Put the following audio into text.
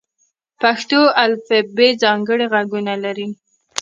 پښتو الفبې ځانګړي غږونه لري.